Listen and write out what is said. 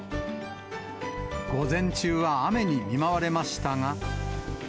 午前中は雨に見舞われましたが。